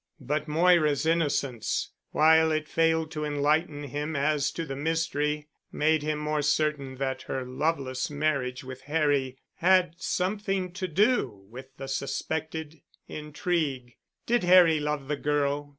But Moira's innocence, while it failed to enlighten him as to the mystery, made him more certain that her loveless marriage with Harry had something to do with the suspected intrigue. Did Harry love the girl?